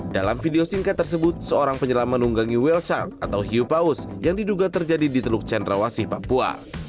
dalam video singkat tersebut seorang penyelam menunggangi well charge atau hiu paus yang diduga terjadi di teluk centrawasih papua